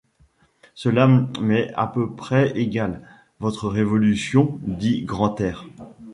Cela m’est à peu près égal, votre révolution, dit Grantaire.